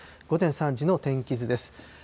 午前３時の天気図です。